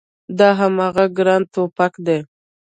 دا هماغه ګران ټوپګ دی